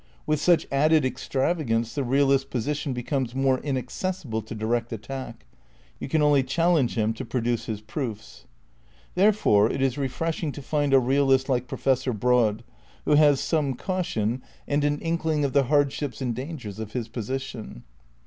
With each added extravagance the realist's position becomes more inaccessible to direct attack. You can only chal lenge him to produce his proofs. Therefore it is refreshing to find a realist like Pro fessor Broad who has some caution and an inkling of 49 50 THE NEW IDEALISM in the hardships and dangers of his position.